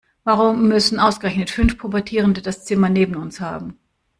Warum müssen ausgerechnet fünf Pubertierende das Zimmer neben uns haben?